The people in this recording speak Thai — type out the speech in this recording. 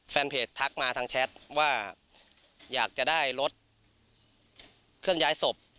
แฟนเพจทักมาทางแชทว่าอยากจะได้รถเคลื่อนย้ายศพ